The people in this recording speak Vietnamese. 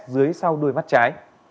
dưới sau đuôi mắt trái